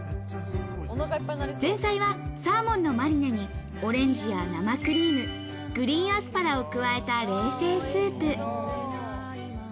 前菜はサーモンのマリネに、オレンジや生クリーム、グリーンアスパラを加えた冷製スープ。